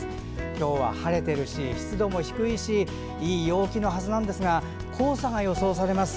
今日は晴れてるし湿度も低いしいい陽気のはずなんですが黄砂が予想されます。